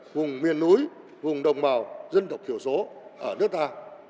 vùng miền núi vùng đồng bào dân tộc thiểu số ở nước ta